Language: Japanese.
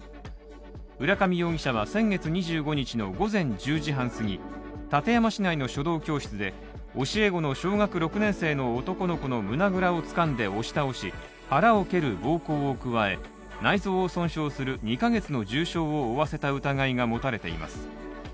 浦上容疑者は先月２５日の午前１０時半すぎ、館山市内の書道教室で教え子の小学６年生の男の子の胸倉をつかんで押し倒し腹を蹴る暴行を加え内臓を損傷する２カ月の重傷を負わせた疑いが持たれています。